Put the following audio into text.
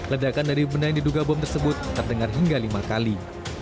ledakan dari benda yang diduga bom tersebut terdengar hingga lima kali